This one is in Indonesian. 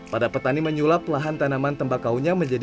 pada petani menyulap lahan tanaman tembak kaunya menjelaskan